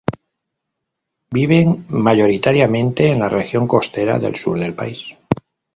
Viven mayoritariamente en la región costera del sur del país.